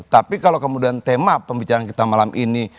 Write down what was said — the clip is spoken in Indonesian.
tapi kalau kemudian tema pembicaraan kita malam ini